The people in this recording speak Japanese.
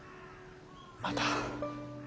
また。